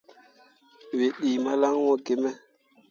Wǝ ɗii malan wũũ gime.